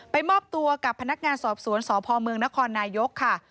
มอบตัวกับพนักงานสอบสวนสพเมืองนครนายกค่ะ